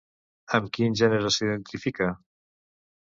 Amb quin gènere s'identifica?